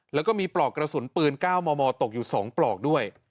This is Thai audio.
แล้วก็มีปลอกกระสุนปืน๙มมตกอยู่๒ปลอกด้วย